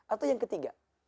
atau yang ketiga